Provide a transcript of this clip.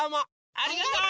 ありがとう！